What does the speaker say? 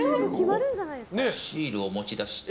シールを持ち出して。